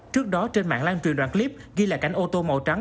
trước đó trên mạng lan truyền đoạn clip ghi lại cảnh ô tô màu trắng